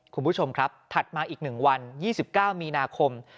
คุณผู้ชมครับถัดมาอีก๑วัน๒๙มีนาคม